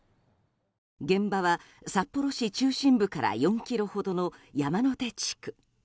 現場は札幌市中心部から４ｋｍほどの山の手地区。